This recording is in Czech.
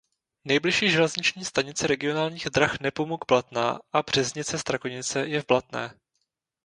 Nejbližší železniční stanice regionálních drah Nepomuk–Blatná a Březnice–Strakonice je v Blatné.